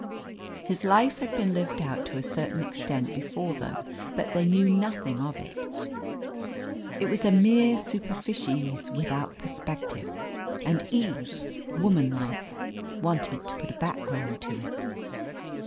His life had been lived out to a certain extent before them, but they knew nothing of it; it was a mere superficies without perspective, and Eve, woman like, wanted to put a background to it.